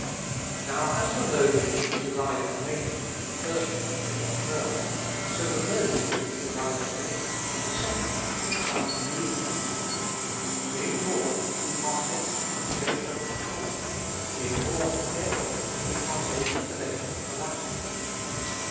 Now, as the mode in which we derive a nature from the first man is by birth, so the mode in which we derive a nature from the Second man is by new birth. Being born, we partake of the nature of the former; being "born again," we partake of the nature of the latter.